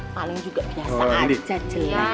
paling juga biasa aja celek